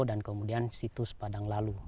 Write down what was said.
dan kemudian situs padanglalu